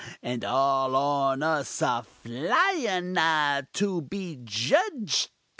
and all on us a flyin ah! to be judged ah!